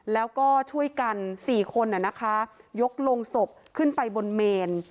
แล้วก็ช่วยกัน๔คนยกโรงศพขึ้นไปบนเมน